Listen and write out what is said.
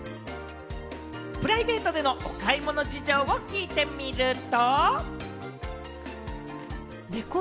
プライベートでのお買い物事情を聞いてみると。